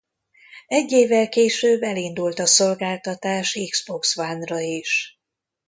Egy évvel később elindult a szolgáltatás Xbox One-ra is.